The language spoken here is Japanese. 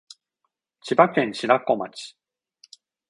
千葉県白子町